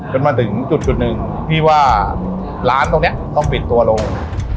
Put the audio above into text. จนมาถึงจุดหนึ่งพี่ว่าร้านตรงนี้ต้องปิดตัวลง